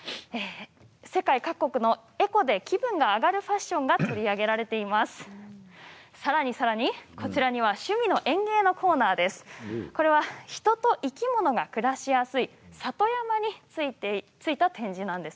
世界各国の、エコで気分が上がるファッションが取り上げられています。